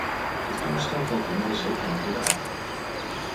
Dit voorstel valt bij mij zeker in goede aarde.